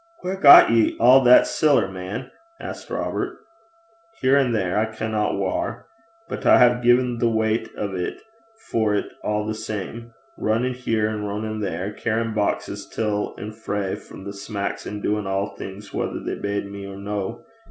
'Whaur got ye a' that siller, man?' asked Robert. 'Here and there, I kenna whaur; but I hae gien the weicht o' 't for 't a' the same rinnin' here an' rinnin' there, cairryin' boxes till an' frae the smacks, an' doin' a'thing whether they bade me or no.